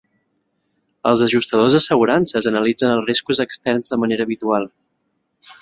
Els ajustadors d'assegurances analitzen els riscos externs de manera habitual.